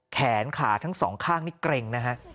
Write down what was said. แขนขาทั้งสองข้างกรง